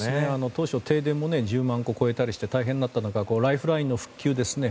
当初、停電も１０万戸を超えたりして大変だった中ライフラインの復旧ですね。